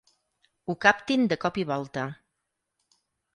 Ho captin de cop i volta.